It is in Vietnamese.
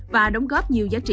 và đóng góp nhiều nguồn nguồn